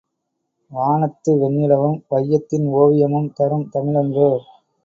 வானத்து வெண்ணிலவும் வையத்தின் ஓவியமும் தரும் தமிழன்றோ!